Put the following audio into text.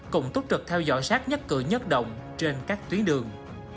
cũng tốt trực theo dõi sát nhất cử nhất động trên các tuyến đường